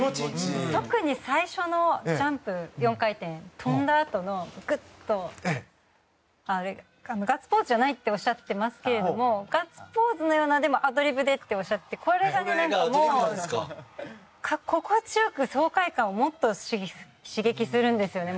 特に最初のジャンプ４回転、跳んだあとのガッツポーズじゃないっておっしゃってますけれどもガッツポーズのような、でもアドリブでっておっしゃってこれが、もう心地よく、爽快感をもっと刺激するんですよね。